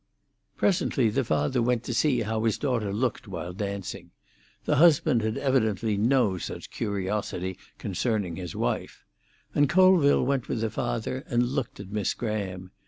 Presently the father went to see how his daughter looked while dancing; the husband had evidently no such curiosity concerning his wife; and Colville went with the father, and looked at Miss Graham.